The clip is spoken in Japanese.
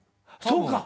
そうか。